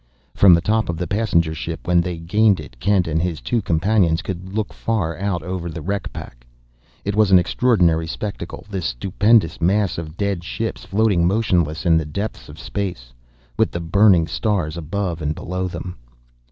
From the top of the passenger ship, when they gained it, Kent and his two companions could look far out over the wreck pack. It was an extraordinary spectacle, this stupendous mass of dead ships floating motionless in the depths of space, with the burning stars above and below them.